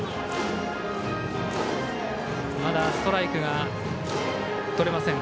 まだストライクがとれません。